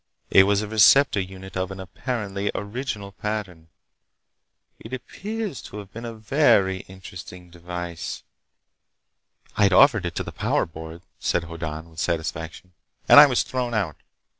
It was a receptor unit of an apparently original pattern. It appears to have been a very interesting device." "I'd offered it to the Power Board," said Hoddan, with satisfaction, "and I was thrown out.